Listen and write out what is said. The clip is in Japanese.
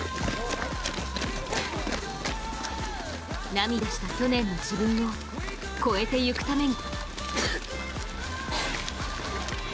涙した去年の自分を超えてゆくために。